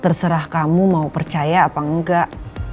terserah kamu mau percaya apa enggak